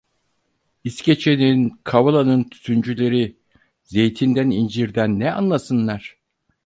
İskeçe'nin, Kavala'nın tütüncüleri… Zeytinden, incirden ne anlasınlar?